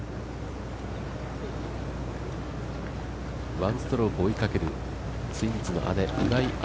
１ストローク追いかけるツインズの姉・岩井明